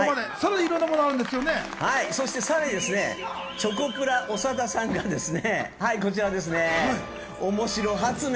そしてさらにチョコプラ・長田さんがおもしろ発明。